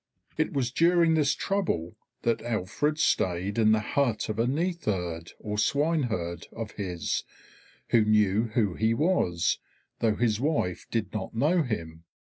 It was during this trouble that Alfred stayed in the hut of a neatherd or swineherd of his, who knew who he was, though his wife did not know him.